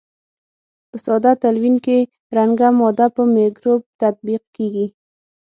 په ساده تلوین کې رنګه ماده په مکروب تطبیق کیږي.